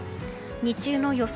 日中の予想